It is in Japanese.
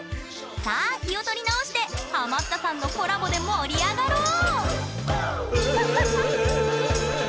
さあ気を取り直してハマったさんのコラボで盛り上がろう！